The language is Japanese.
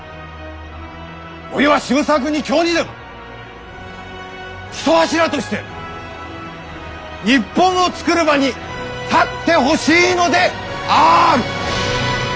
おいは渋沢君に今日にでも一柱として日本を作る場に立ってほしいのである！